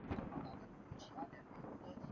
合柱糙果茶为山茶科山茶属的植物。